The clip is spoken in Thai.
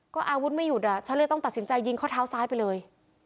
ก็อาวุธไม่หยุดอ่ะฉันเลยต้องตัดสินใจยิงข้อเท้าซ้ายไปเลย